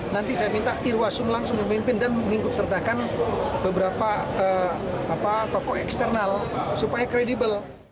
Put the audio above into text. nanti saya minta ir wasmun langsung dimimpin dan mengikut sertakan beberapa toko eksternal supaya kredibel